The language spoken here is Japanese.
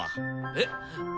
えっ！？